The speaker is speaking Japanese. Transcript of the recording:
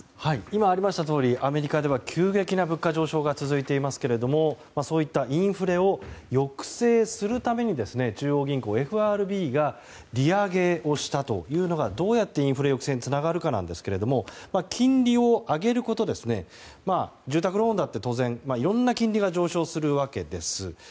今ありましたとおりアメリカでは急激な物価上昇が続いていますけれどもそういったインフレを抑制するために中央銀行・ＦＲＢが利上げをしたというのがどうやってインフレにつながるかですが金利を上げることで住宅ローンだったりいろんな金利が上昇するわけです。